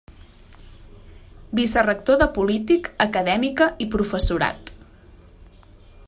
Vicerector de Polític Acadèmica i Professorat.